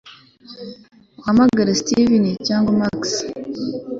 uhamagare steven cyangwa max